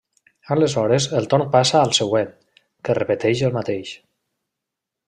Aleshores el torn passa al següent, que repeteix el mateix.